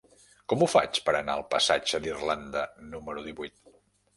Com ho faig per anar al passatge d'Irlanda número divuit?